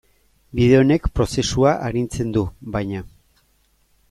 Bide honek prozesua arintzen du, baina.